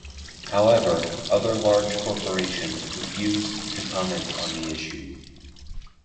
However, other large corporations refused to comment on the issue.